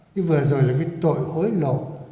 cái vừa rồi là cái tội hối lỗi